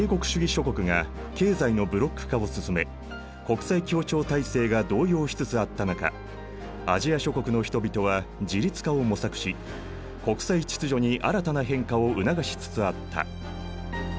諸国が経済のブロック化を進め国際協調体制が動揺しつつあった中アジア諸国の人々は自立化を模索し国際秩序に新たな変化を促しつつあった。